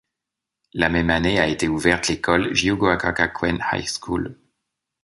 La même année a été ouverte l’école Jiyūgaoka-gakuen High School.